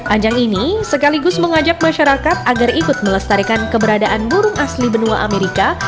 ajang ini sekaligus mengajak masyarakat agar ikut melestarikan keberadaan burung asli benua amerika